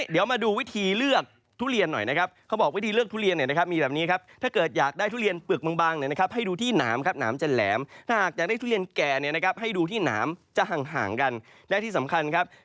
เดียวมาดูวิธีเลือกทุเรียนหน่อยนะครับ